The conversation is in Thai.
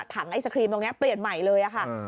ไอศครีมตรงนี้เปลี่ยนใหม่เลยค่ะ